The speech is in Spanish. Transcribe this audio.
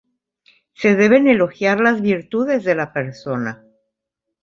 Se deben elogiar las virtudes de la persona.